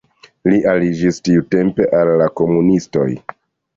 Li aliĝis tiutempe al la komunistoj.